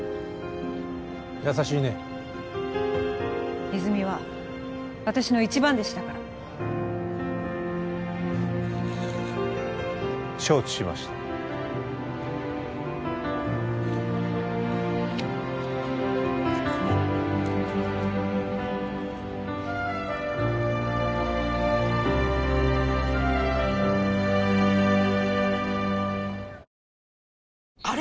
優しいね泉は私の一番弟子だから承知しましたあれ？